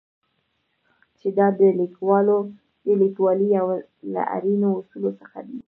چې دا د لیکوالۍ یو له اړینو اصولو څخه دی.